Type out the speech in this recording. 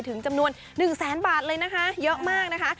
จำนวน๑แสนบาทเลยนะคะเยอะมากนะคะ